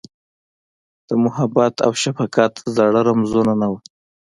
د محبت اوشفقت زاړه رمزونه، نه وه